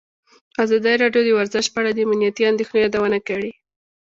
ازادي راډیو د ورزش په اړه د امنیتي اندېښنو یادونه کړې.